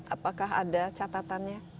apakah ada catatannya